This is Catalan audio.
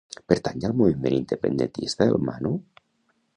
Pertany al moviment independentista el Manu?